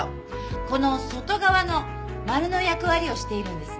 この外側の丸の役割をしているんですね。